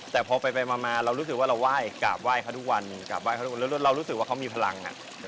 แต่พอไปมาเรารู้สึกว่าเราไหว้กราบไหว้เขาทุกวันกราบไห้เขาทุกวันเรารู้สึกว่าเขามีพลัง